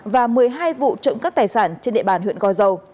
và một mươi hai vụ trộm cắp tài sản trên địa bàn huyện gò dầu